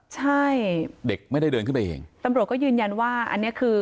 ใช่เด็กไม่ได้เดินขึ้นไปเองตำรวจก็ยืนยันว่าอันเนี้ยคือ